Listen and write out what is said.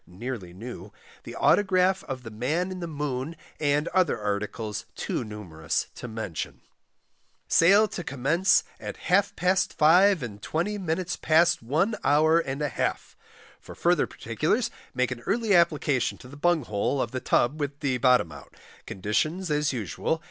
(nearly new), the Autograph of the Man in the Moon, and other articles, too numerous to mention. Sale to Commence at half past 5 and 20 minutes past One hour and a half. For further particulars make an early application to the Bung hole of the Tub with the bottom out. Conditions as usual.